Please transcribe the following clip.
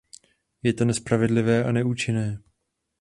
Je to nespravedlivé a neúčinné.